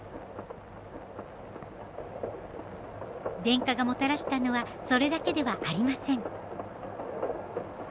電化がもたらしたのはそれだけではありません。